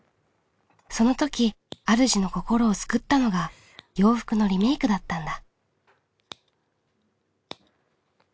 その時あるじの心を救ったのが洋服のリメイクだったんだ。